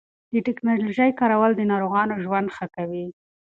د ټېکنالوژۍ کارول د ناروغانو ژوند ښه کوي.